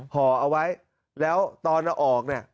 ห่อเอาไว้แล้วตอนเอาออกเนี่ย